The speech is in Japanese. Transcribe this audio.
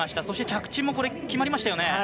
そして着地も決まりましたよね。